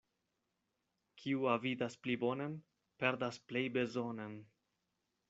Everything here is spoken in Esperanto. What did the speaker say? Kiu avidas pli bonan, perdas plej bezonan.